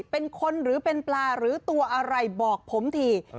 เป็นคนหรือเป็นปลาหรือตัวอะไรบอกผมที